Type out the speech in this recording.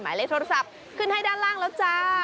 หมายเลขโทรศัพท์ขึ้นให้ด้านล่างแล้วจ้า